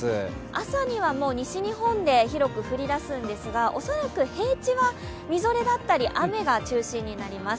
朝には西日本で広く降り出すんですが、恐らく平地はみぞれだったり雨が中心になります。